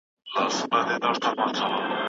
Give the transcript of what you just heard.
زما په اروا کې زلزله ده او توپان ده او شور